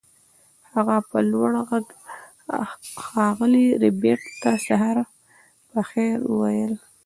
هغه په لوړ غږ ښاغلي ربیټ ته سهار په خیر وویل